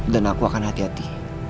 dan aku akan hati hati